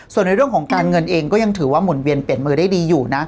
ส่วนในเรื่องของการเงินเองก็ยังถือว่าหุ่นเวียนเปลี่ยนมือได้ดีอยู่นะ